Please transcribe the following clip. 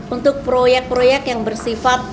untuk proyek proyek yang bersifat